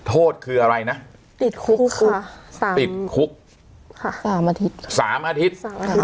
โทษคืออะไรนะติดคุกค่ะสามติดคุกค่ะสามอาทิตย์สามอาทิตย์สามอาทิต